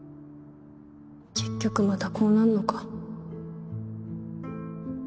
結局またこうなんのか